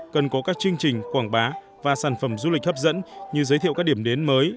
cần có các chương trình quảng bá và sản phẩm du lịch hấp dẫn như giới thiệu các điểm đến mới